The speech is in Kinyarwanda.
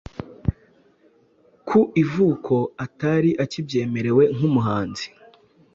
ku ivuko atari akibyemerewe nk'umuhanzi.